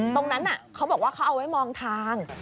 ตรงนั้นนะเขาบอกเขาเอาให้มองทาง